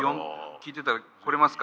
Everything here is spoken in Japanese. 聴いてたら来れますか？